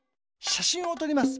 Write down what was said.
しゃしんをとります。